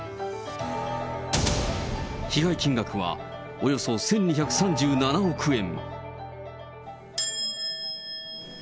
被害金額はおよそ１２３７億円。